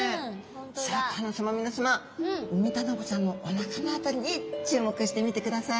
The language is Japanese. シャーク香音さま皆さまウミタナゴちゃんのお腹の辺りに注目してみてください。